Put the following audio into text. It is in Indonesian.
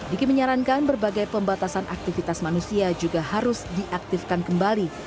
diki menyarankan berbagai pembatasan aktivitas manusia juga harus diaktifkan kembali